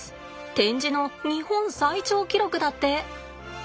展示の日本最長記録だって。